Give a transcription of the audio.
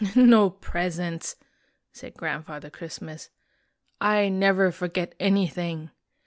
" No presents! " said Grandfather Christmas. " I never forget anything.